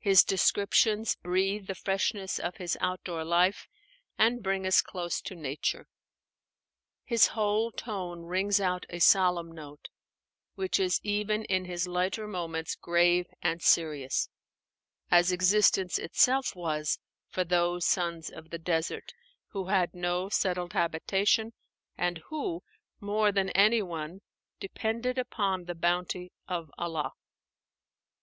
His descriptions breathe the freshness of his outdoor life and bring us close to nature: his whole tone rings out a solemn note, which is even in his lighter moments grave and serious, as existence itself was for those sons of the desert, who had no settled habitation, and who, more than any one, depended upon the bounty of Allah.